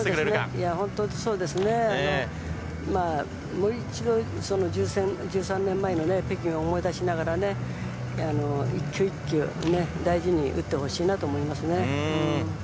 もう一度、１３年前の北京を思い出しながら１球１球大事に打ってほしいと思います。